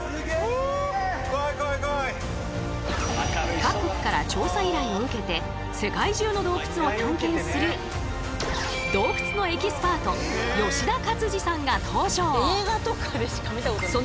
各国から調査依頼を受けて世界中の洞窟を探検する洞窟のエキスパート吉田勝次さんが登場。